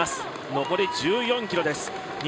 残り１４ｋｍです。